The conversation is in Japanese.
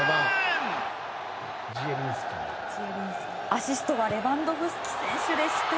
アシストはレバンドフスキ選手でした。